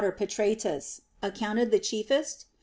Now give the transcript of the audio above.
Pater Patratus accounted the chiefest?